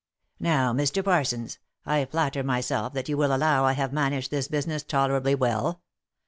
" Now, Mr. Parsons, I flatter myself that you will allow I have managed this business tolerably well.